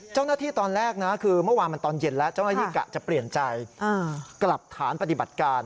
เจ้าหน้าที่ตอนแรกนะคือเมื่อวานมันตอนเย็นแล้วเจ้าหน้าที่กะจะเปลี่ยนใจกลับฐานปฏิบัติการ